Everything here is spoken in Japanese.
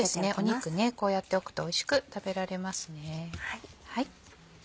肉こうやっておくとおいしく食べられますね。